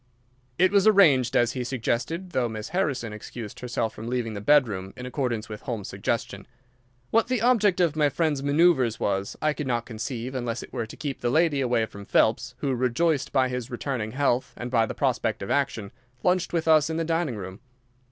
It was arranged as he suggested, though Miss Harrison excused herself from leaving the bedroom, in accordance with Holmes's suggestion. What the object of my friend's manœuvres was I could not conceive, unless it were to keep the lady away from Phelps, who, rejoiced by his returning health and by the prospect of action, lunched with us in the dining room.